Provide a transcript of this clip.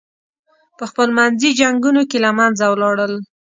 پخپل منځي جنګونو کې له منځه ولاړل.